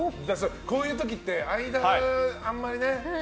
こういう時って間あんまりね。